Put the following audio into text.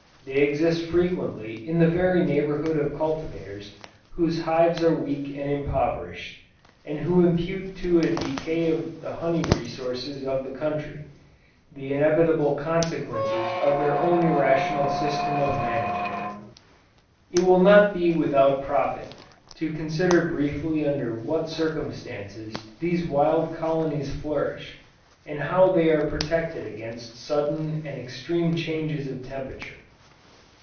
They exist frequently in the very neighborhood of cultivators whose hives are weak and impoverished, and who impute to a decay of the honey resources of the country, the inevitable consequences of their own irrational system of management. It will not be without profit, to consider briefly under what circumstances these wild colonies flourish, and how they are protected against sudden and extreme changes of temperature.